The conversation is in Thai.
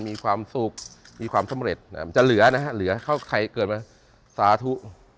มีความสุขมีความสำเร็จจะเหลือนะฮะเหลือใครเกิดมาสาธุ